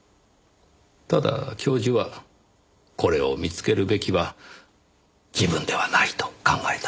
ただ教授はこれを見つけるべきは自分ではないと考えたんです。